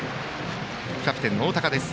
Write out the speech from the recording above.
キャプテンの大高です。